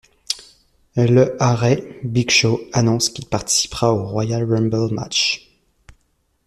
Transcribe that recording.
Le à Raw, Big Show annonce qu'il participera au Royal Rumble match.